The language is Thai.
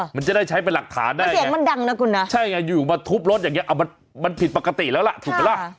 มันจะได้ใช้เป็นหลักฐานได้ไงใช่ไงอยู่มาทุบรถอย่างนี้มันผิดปกติแล้วล่ะถูกไหมล่ะ